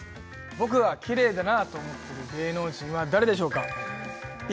僕がキレイだなと思っている芸能人は誰でしょうか？